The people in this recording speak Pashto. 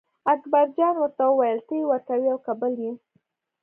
اکبرجان ورته وویل ته یې ورکوې او که بل یې.